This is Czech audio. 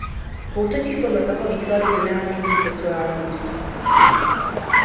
Bůh totiž podle tohoto výkladu "nenávidí sexuální hřích".